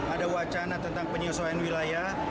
ada wacana tentang penyesuaian wilayah